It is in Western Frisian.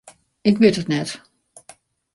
Ik wit it net.